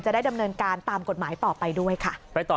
ได้ดำเนินการตามกฎหมายต่อไปด้วยค่ะ